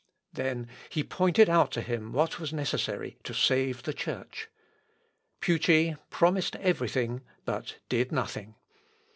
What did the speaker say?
Then he pointed out to him what was necessary to save the Church. Pucci promised every thing, but did nothing.